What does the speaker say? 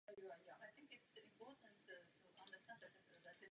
Dovolte mi, abych vám všem připomněl ještě jednu věc.